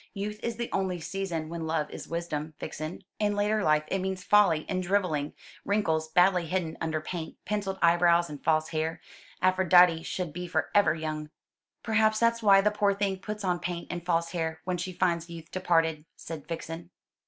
Youth is the only season when love is wisdom, Vixen. In later life it means folly and drivelling, wrinkles badly hidden under paint, pencilled eyebrows, and false hair. Aphrodite should be for ever young." "Perhaps that's why the poor thing puts on paint and false hair when she finds youth departed," said Vixen.